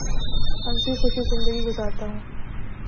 ہنسی خوشی زندگی گزارتا ہوں